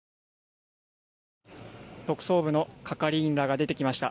特捜部の係員らが出てきました。